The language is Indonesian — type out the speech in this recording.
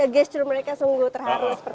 gestur mereka sungguh terharu